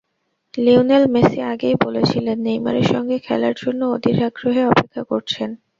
Lionel Messi আগেই বলেছিলেন নেইমারের সঙ্গে খেলার জন্য অধীর আগ্রহে অপেক্ষা করছেন।